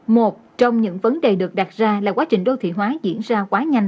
một trong những vấn đề được đặt ra là quá trình đô thị hóa diễn ra quá nhanh